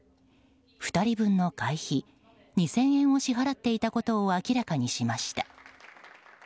２人分の会費２０００円を支払っていたことを明らかにしました。